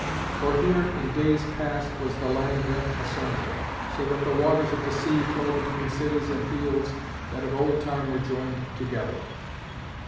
For here in days past was the land rent asunder, so that the waters of the sea flow between cities and fields that of old time were joined together.